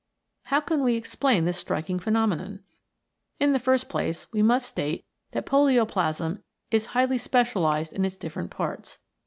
How can we explain this striking phenomenon ? In the first place we must state that polioplasm is highly specialised in its different parts.